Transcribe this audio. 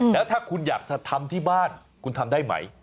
แล้วถ้าคุณอยากจะทำที่บ้านคุณทำได้ไหม